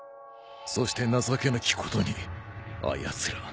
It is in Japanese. そして情けなきことにあやつら